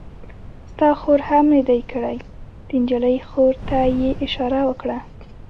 ستا خور هم نه دی کړی؟ د نجلۍ خور ته یې اشاره وکړه.